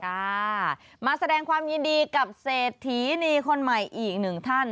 ค่ะมาแสดงความยินดีกับเศรษฐีนีคนใหม่อีกหนึ่งท่าน